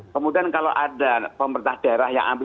kemudian kalau ada pemerintah daerah yang ambil